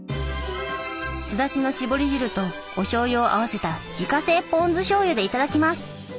すだちの搾り汁とおしょうゆを合わせた自家製ポン酢しょうゆで頂きます。